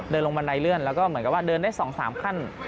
เดินลงบันไดเลื่อนแล้วก็เหมือนกันว่าเดินได้สองสามขั้น